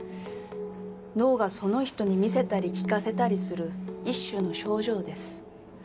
脳がその人に見せたり聞かせたりする一種の症状です